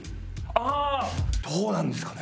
どうなんですかね？